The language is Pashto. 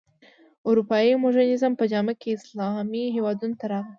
اروپايي مډرنیزم په جامه کې اسلامي هېوادونو ته راغی.